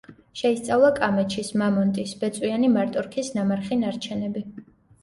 შეისწავლა კამეჩის, მამონტის, ბეწვიანი მარტორქის ნამარხი ნარჩენები.